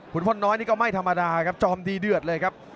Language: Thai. คุณพลน้อยนี่ก็ไม่ธรรมดาครับจอมดีเดือดเลยครับ